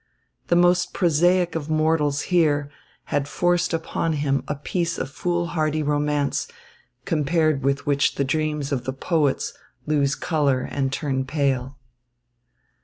The most prosaic of mortals here had forced upon him a piece of foolhardy romance compared with which the dreams of the poets lose colour and turn pale.